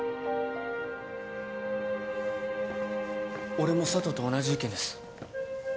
俺も佐都と同じ意見です。